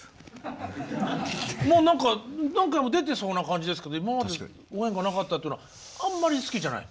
もう何か何回も出てそうな感じですけど今までご縁がなかったっていうのはあんまり好きじゃない？